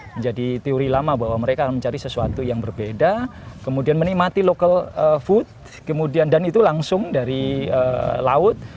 menjadi teori lama bahwa mereka mencari sesuatu yang berbeda kemudian menikmati local food dan itu langsung dari laut